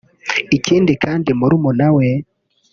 Ikindi kandi murumuna we